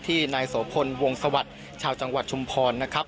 นายโสพลวงสวัสดิ์ชาวจังหวัดชุมพรนะครับ